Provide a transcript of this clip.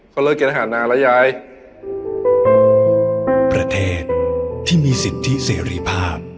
เขาเลิกกินอาหารนานแล้วย้ายประเทศที่มีสิทธิเสรีภาพ